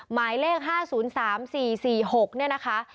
หมายเลข๕๐๓๔๔๖เนี่ยนะคะ